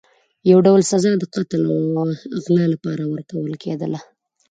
یو ډول سزا د قتل او غلا لپاره ورکول کېدله.